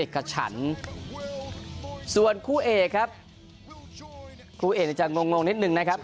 กู้เอกในจานงงนิดนึงนะครับ